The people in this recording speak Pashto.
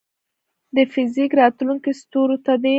د فزیک راتلونکې ستورو ته ده.